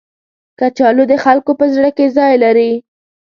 کچالو د خلکو په زړه کې ځای لري